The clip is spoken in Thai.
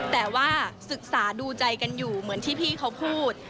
แต่ว่าศึกษาดูใจกันอยู่เหมือนที่พี่เขาพูด